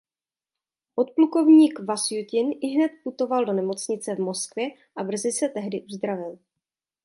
Pplk.Vasjutin ihned putoval do nemocnice v Moskvě a brzy se tehdy uzdravil.